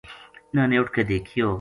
اِنھاں نے اُٹھ کے دیکھیو